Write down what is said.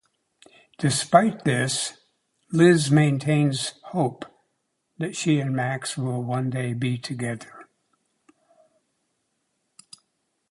Despite this, Liz maintains hope she and Max will one day be together.